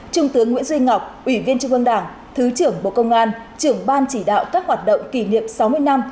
trung tướng nguyễn duy ngọc ủy viên trung ương đảng thứ trưởng bộ công an trưởng ban chỉ đạo các hoạt động kỷ niệm sáu mươi năm